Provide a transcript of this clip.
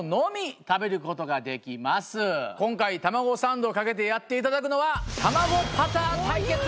今回玉子サンドを懸けてやっていただくのは。